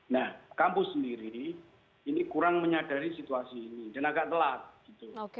nah kampus sendiri ini kurang menyadari situasi ini dan agak telat gitu